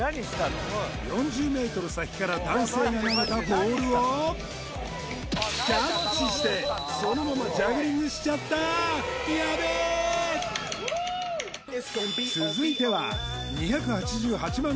４０ｍ先から男性が投げたボールをキャッチしてそのままジャグリングしちゃったやべえ！